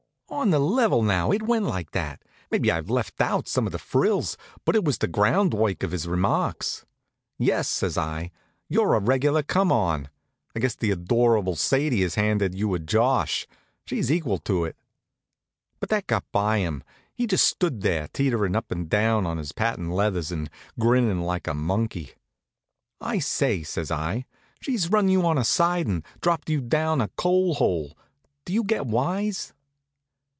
On the level, now, it went like that. Maybe I've left out some of the frills, but that was the groundwork of his remarks. "Yes," says I, "you're a regular come on. I guess the adorable Sadie has handed you a josh. She's equal to it." But that got by him. He just stood there, teeterin' up and down on his patent leathers, and grinnin' like a monkey. "I say," says I, "she's run you on a sidin', dropped you down a coal hole. Do you get wise?"